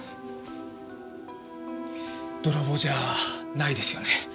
泥棒じゃないですよね。